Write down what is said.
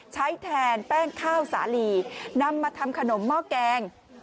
ใช้แทนแป้งข้าวสาลีนำมาทำขนมหม้อแกง